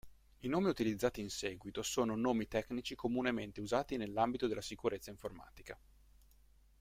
I nomi utilizzati inseguito sono nomi tecnici comunemente usati nell'ambito della sicurezza informatica.